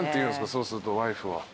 そうするとワイフは。